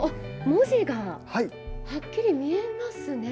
文字がはっきり見えますね。